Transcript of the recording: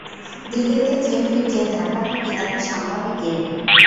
দিল্লিতে যে ভিড় যে ধাক্কাধাক্কি, তাকে সামলাবে কে?